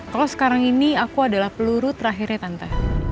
kalau sekarang ini aku adalah peluru terakhirnya tante